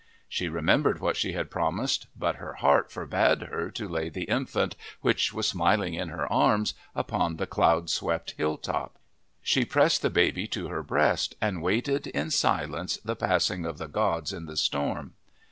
She remembered what she had promised, but her heart forbade her to lay the infant, which was smiling in her arms, upon the cloud swept hilltop. She pressed the baby to her breast and waited in silence the passing of the gods in the storm.